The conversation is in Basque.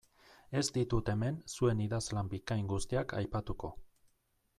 Ez ditut hemen zuen idazlan bikain guztiak aipatuko.